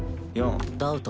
ダウト。